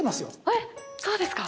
えっ、そうですか？